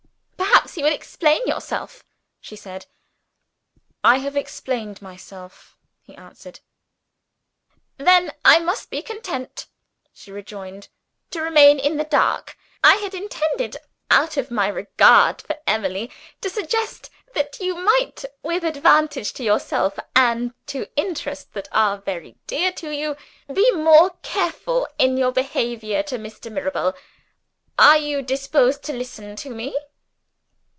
"Perhaps you will explain yourself," she said. "I have explained myself," he answered. "Then I must be content," she rejoined, "to remain in the dark. I had intended, out of my regard for Emily, to suggest that you might with advantage to yourself, and to interests that are very dear to you be more careful in your behavior to Mr. Mirabel. Are you disposed to listen to me?"